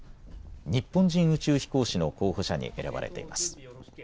日本人宇宙飛行士の候補者に選ばれています。